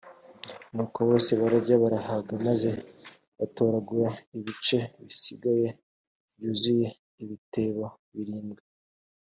nuko bose bararya barahaga maze batoragura ibice bisigaye byuzura ibitebo birindwi